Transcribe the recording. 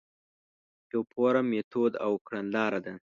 یو فورم، میتود او کڼلاره ده.